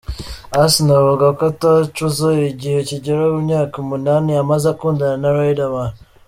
Asnah avuga ko aticuza igihe kigera ku myaka umunani yamaze akundana na Riderman.